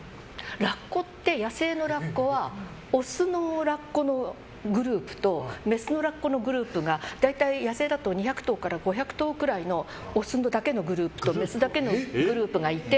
ラッコって、野生のラッコはオスのラッコのグループとメスのラッコのグループが大体、野生だと２００頭から５００頭ぐらいのオスだけのグループメスだけのグループがいて。